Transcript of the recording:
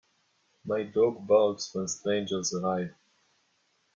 My dog barks when strangers arrive.